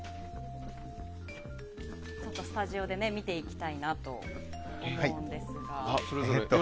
スタジオで見ていきたいなと思うんですが。